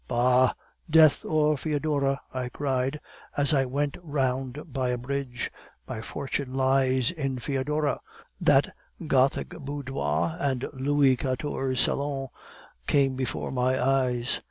"'Bah, death or Foedora!' I cried, as I went round by a bridge; 'my fortune lies in Foedora.' "That gothic boudoir and Louis Quatorze salon came before my eyes.